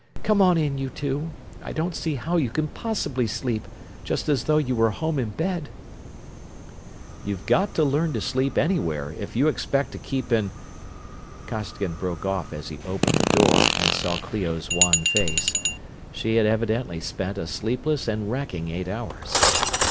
Come on in, you two I don't see how you can possibly sleep, just as though you were home in bed." "You've got to learn to sleep anywhere if you expect to keep in...." Costigan broke off as he opened the door and saw Clio's wan face. She had evidently spent a sleepless and wracking eight hours.